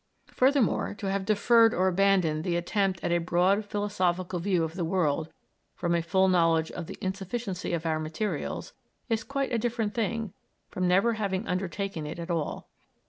Furthermore, to have deferred or abandoned the attempt at a broad philosophical view of the world from a full knowledge of the insufficiency of our materials, is quite a different thing from never having undertaken it at all.